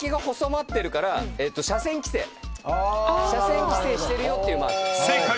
車線規制してるよっていうマーク。